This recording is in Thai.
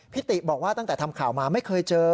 ติบอกว่าตั้งแต่ทำข่าวมาไม่เคยเจอ